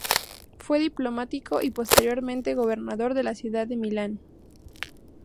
Fue diplomático y posteriormente gobernador de la ciudad de Milán.